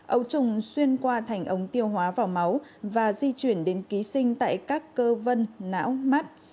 ấu trùng xuyên qua thành ống tiêu hóa vỏ máu và di chuyển đến ký sinh tại các cơ vân não mắt